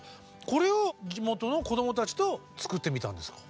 これを地元の子供たちと作ってみたんですか？